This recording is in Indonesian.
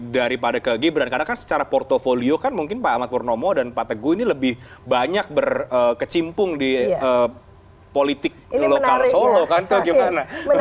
daripada ke gibran karena kan secara portfolio kan mungkin pak ahmad purnomo dan pak teguh ini lebih banyak berkecimpung di politik lokal solo kan itu gimana